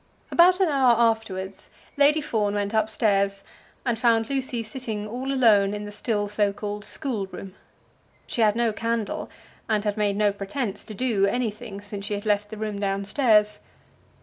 About an hour afterwards Lady Fawn went up stairs and found Lucy sitting all alone in the still so called school room. She had no candle, and had made no pretence to do anything since she had left the room down stairs.